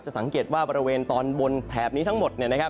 สังเกตว่าบริเวณตอนบนแถบนี้ทั้งหมด